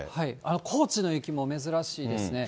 高知の雪も珍しいですね。